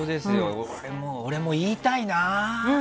俺も言いたいな。